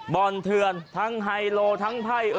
บ่อนเถือนทั้งไฮโลทั้งไพ่